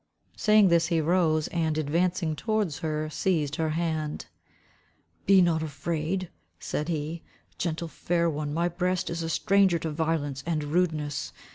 Saying this he rose and advancing towards her, seized her hand. "Be not afraid," said he, "gentle fair one, my breast is a stranger to violence and rudeness.